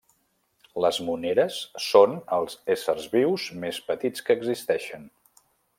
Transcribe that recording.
Les moneres són els éssers vius més petits que existeixen.